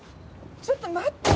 ちょっと待って！